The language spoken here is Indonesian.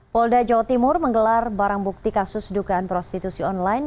polda jawa timur menggelar barang bukti kasus dugaan prostitusi online